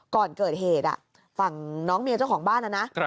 ก่อนเกิดเหตุฝั่งน้องเมียเจ้าของบ้านนะนะ